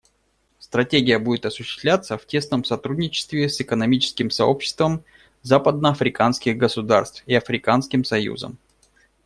Стратегия будет осуществляться в тесном сотрудничестве с Экономическим сообществом западноафриканских государств и Африканским союзом.